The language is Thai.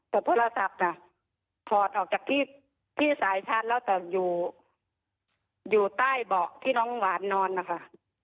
แต่โทรศัพท์น่ะถอดออกจากที่สายชาร์จแล้วแต่อยู่ใต้เบาะที่น้องหวานนอนนะคะ